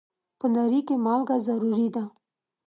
په ناري کې مالګه ضروري ده.